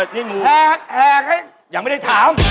นี่งูแหกให้อย่างไม่ได้ถาม